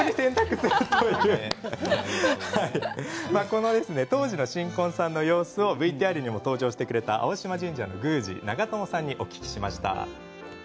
笑い声当時の新婚さんの様子をＶＴＲでも登場してくれた青島神社の宮司長友さんにお聞きしました。